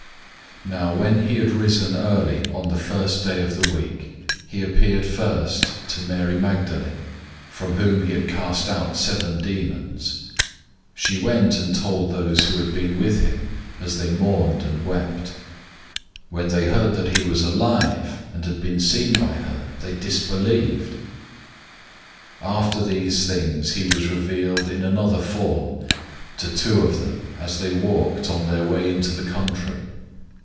016:009 Now when he had risen early on the first day of the week, he appeared first to Mary Magdalene, from whom he had cast out seven demons. 016:010 She went and told those who had been with him, as they mourned and wept. 016:011 When they heard that he was alive, and had been seen by her, they disbelieved. 016:012 After these things he was revealed in another form to two of them, as they walked, on their way into the country.